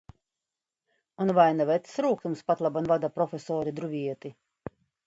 Un vai ne vecs rūgtums patlaban vada profesori Druvieti?